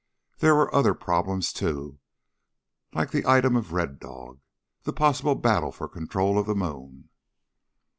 There were other problems, too like the item of Red Dog ... the possible battle for control of the moon.